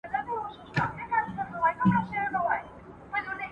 سياستپوهنه به په راتلونکي کې نوره هم پراخه سي.